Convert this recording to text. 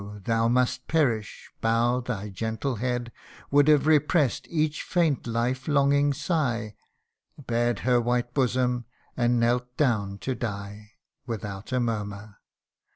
thou must perish bow thy gentle head,' Would have repress'd each faint life longing sigh, Bared her white bosom, and knelt down to die, Without a murmur.